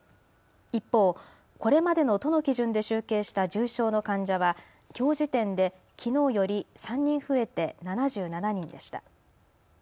一方、これまでの都の基準で集計した重症の患者はきょう時点で、きのうより３人増えて７７人でした。